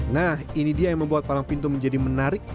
nah ini dia yang membuat palang pintu menjadi menarik